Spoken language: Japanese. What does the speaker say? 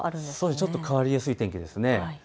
ちょっと変わりやすい天気ですね。